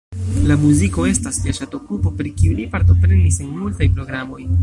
La muziko estas lia ŝatokupo, per kiu li partoprenis en multaj programoj.